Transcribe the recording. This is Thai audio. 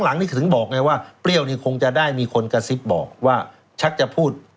หลังนี่ก็ถึงบอกไงว่าเปรี้ยวนี่คงจะได้มีคนกระซิบบอกว่าชักจะพูด